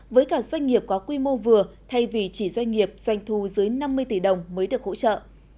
với cả doanh nghiệp có quy mô vừa thay vì chỉ doanh nghiệp doanh thu dưới năm mươi tỷ đồng mới được hỗ trợ